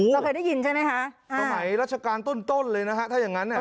เราเคยได้ยินใช่ไหมคะสมัยราชการต้นเลยนะฮะถ้าอย่างงั้นเนี่ย